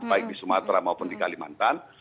baik di sumatera maupun di kalimantan